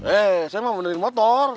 eh saya mau benerin motor